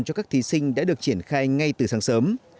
cho các thí sinh đã được triển khai ngay từ sáng sớm